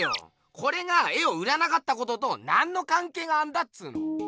これが絵を売らなかったことと何のかんけいがあんだっつーの！